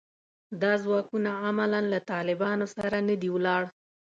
دا ځواکونه عملاً له طالبانو سره نه دي ولاړ